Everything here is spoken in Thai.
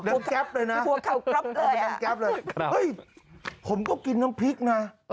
ด้านแก๊ปเลยนะด้านแก๊ปเลยเฮ้ยผมก็กินน้ำพริกนะ